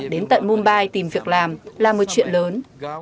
đến tận mumbai tìm việc làm là một chuyện lớn